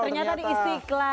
ternyata di istiklal